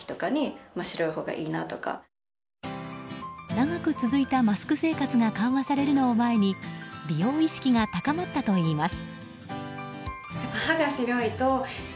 長く続いたマスク生活が緩和されるのを前に美容意識が高まったといいます。